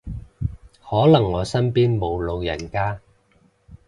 可能我身邊冇老人家